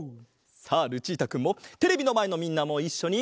さあルチータくんもテレビのまえのみんなもいっしょに！